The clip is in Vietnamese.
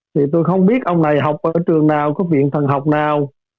thì tôi không biết ông này học ở trường nào có viện thần học nào